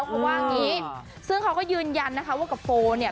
เพราะว่าอย่างนี้ซึ่งเขาก็ยืนยันนะคะว่ากับโฟเนี่ย